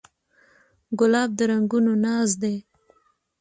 ګلاب د رنګونو ناز دی.